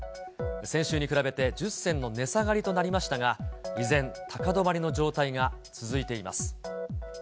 先週に比べて１０銭の値下がりとなりましたが、以前、高止まりの状態が続いています。